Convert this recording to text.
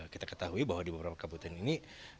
kita ketahui bahwa di beberapa kabupaten ini